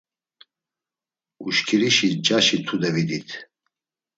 Uşkirişi ncaşi tude vidit.